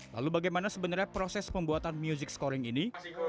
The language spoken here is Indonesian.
lalu bagaimana sebenarnya proses pembuatan music scoring ini